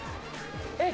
えっ？